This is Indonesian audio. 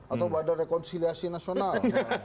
atau pada rekonciliasi nasional